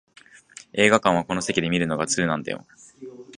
映画館はこの席で観るのが通なんだよ